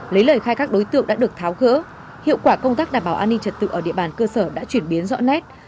lấy lời khai các đối tượng đã được tháo gỡ hiệu quả công tác đảm bảo an ninh trật tự ở địa bàn cơ sở đã chuyển biến rõ nét